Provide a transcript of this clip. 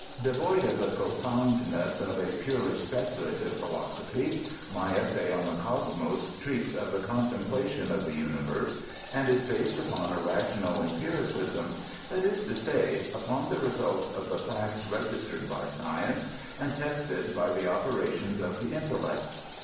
Devoid of the profoundness of a purely speculative philosophy, my essay on the Cosmos treats of the contemplation of the universe, and is based upon a rational empiricism, that is to say, upon the results of the facts regis tered by science^, and tested by the operations of the intellect.